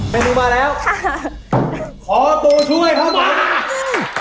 เมนูมาแล้วขอตัวช่วยครับว่าค่ะ